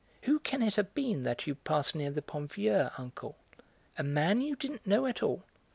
"Who can it have been that you passed near the Pont Vieux, uncle? A man you didn't know at all?"